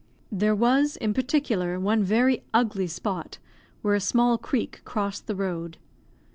There was, in particular, one very ugly spot, where a small creek crossed the road.